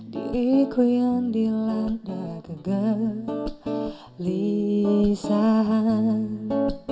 diriku yang dilanda kegelisahan